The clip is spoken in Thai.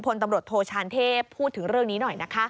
พลตำรวจโทชานเทพพูดถึงเรื่องนี้หน่อยนะคะ